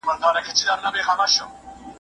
پوه انسان په ټولنه کي د نورو پام ځان ته اړوي.